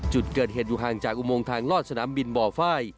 จุดเกิดเหตุอยู่ห่างจากอุโมงทางลอดสนามบินบ่อไฟ